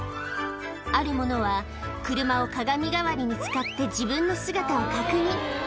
ある者は、車を鏡代わりに使って自分の姿を確認。